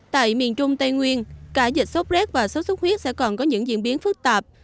tại miền trung tây nguyên cả dịch sốc rét và sốt xuất huyết sẽ còn có những diễn biến phức tạp